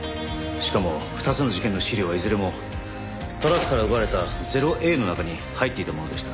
しかも２つの事件の資料はいずれもトラックから奪われた０−Ａの中に入っていたものでした。